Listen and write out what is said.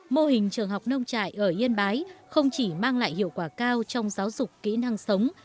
mô hình trường học nông trại ở yên bái không chỉ mang lại hiệu quả cao trong giáo dục kỹ năng sống